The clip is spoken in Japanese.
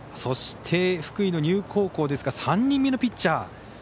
福井の丹生高校ですが３人目のピッチャー。